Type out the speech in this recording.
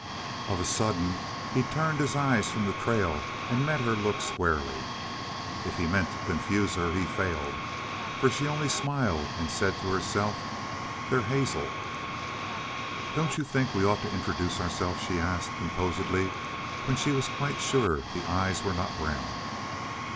Of a sudden he turned his eyes from the trail and met her look squarely. If he meant to confuse her, he failed for she only smiled and said to herself: "They're hazel." "Don't you think we ought to introduce ourselves?" she asked, composedly, when she was quite sure the eyes were not brown.